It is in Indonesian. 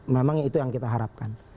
memang itu yang kita harapkan